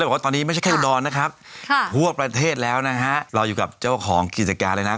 บอกว่าตอนนี้ไม่ใช่แค่อุดรนะครับค่ะทั่วประเทศแล้วนะฮะเราอยู่กับเจ้าของกิจการเลยนะ